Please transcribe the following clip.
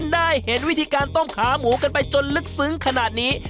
ได้เห็นวิธีการต้มขาหมูกันไปจนลึกซึ้งขนาดนี้